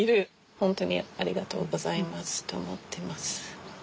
本当にありがとうございますと思ってます。